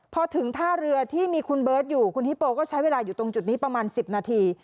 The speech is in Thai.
พอถึงท่าเรือที่มีคุณเบิร์ตอยู่คุณฮิโปก็ใช้เวลาอยู่ตรงจุดนี้ประมาณ๑๐นาที